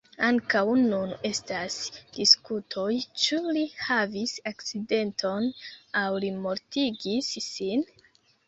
Ankaŭ nun estas diskutoj, ĉu li havis akcidenton, aŭ li mortigis sin?